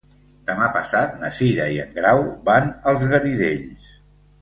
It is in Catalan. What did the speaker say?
Demà passat na Cira i en Grau van als Garidells.